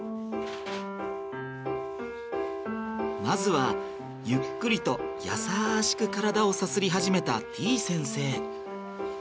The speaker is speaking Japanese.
まずはゆっくりと優しく体をさすり始めたてぃ先生。